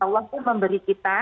waktu memberi kita